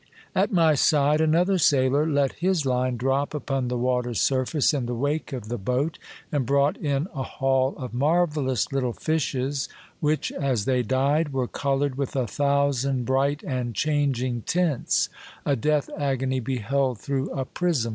At my side another sailor let his line drop upon the water's surface in the wake of the boat, and brought in a haul of marvellous little fishes, which as they died were colored with a thousand bright and changing tints — a death agony beheld through a prism.